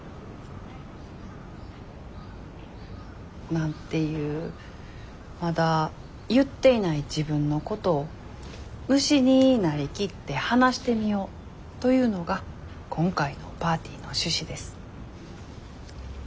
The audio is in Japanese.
なんていうまだ言っていない自分のことを虫になりきって話してみようというのが今回のパーティーの趣旨です。